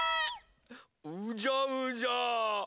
うじゃうじゃ。